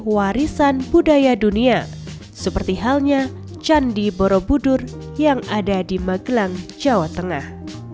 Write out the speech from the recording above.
warisan budaya dunia seperti halnya candi borobudur yang ada di magelang jawa tengah